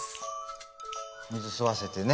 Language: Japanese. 水吸わせてね